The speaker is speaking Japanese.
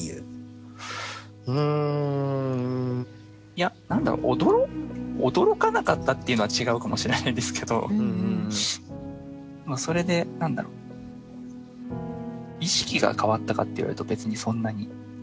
いや何だろう驚かなかったっていうのは違うかもしれないんですけどそれで何だろう意識が変わったかって言われると別にそんなに。